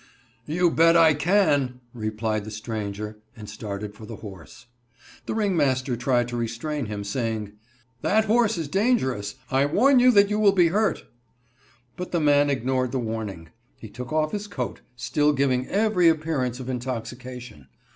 "You bet I can," replied the stranger, and started for the horse. The ringmaster tried to restrain him, saying: "That horse is dangerous. I warn you that you will be hurt." But the man ignored the warning. He took off his coat, still giving every appearance of intoxication.